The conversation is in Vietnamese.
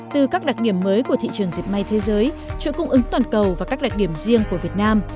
từ các đặc điểm mới của thị trường diệt may thế giới chuỗi cung ứng toàn cầu và các đặc điểm riêng của việt nam